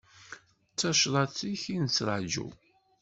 D tacḍaṭ-ik ay nettraǧu.